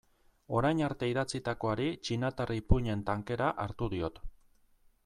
Orain arte idatzitakoari txinatar ipuin-en tankera hartu diot.